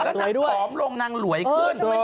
นางผอมลงนางหน่วยขึ้น